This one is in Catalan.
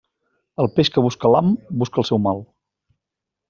El peix que busca l'ham busca el seu mal.